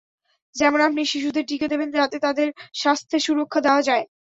যেমন আপনি শিশুদের টিকা দেবেন, যাতে তাদের স্বাস্থ্যের সুরক্ষা দেওয়া যায়।